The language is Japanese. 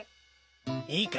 いいか？